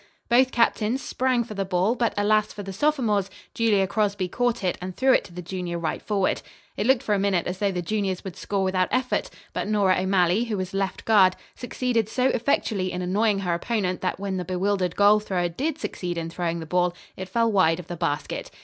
Both captains sprang for the ball, but alas for the sophomores, Julia Crosby caught it and threw it to the junior right forward. It looked for a minute as though the juniors would score without effort, but Nora O'Malley, who was left guard, succeeded so effectually in annoying her opponent that when the bewildered goal thrower did succeed in throwing the ball, it fell wide of the basket.